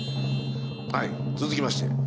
はい続きまして。